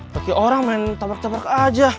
bagi orang main tabrak tabrak aja